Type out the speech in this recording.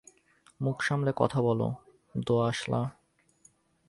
মুখ সামলে কথা বল, দো-আঁশলা!